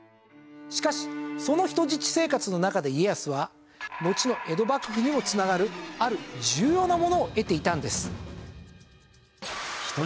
しかしその人質生活の中で家康はのちの江戸幕府にも繋がるある重要なものを得ていたんです。